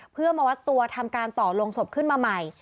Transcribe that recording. เพื่อมาวัดตัวทำการต่อลงศพขึ้นมาใหม่